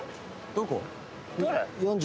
どこ？